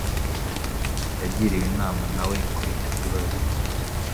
Yagiriwe inama na we kuri icyo kibazo.